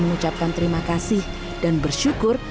mengucapkan terima kasih dan bersyukur